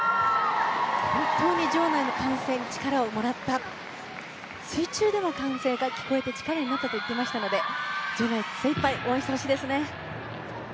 本当に場内の歓声に力をもらった水中でも歓声が聞こえて力になったと言っていましたので場内全体で応援してほしいですね。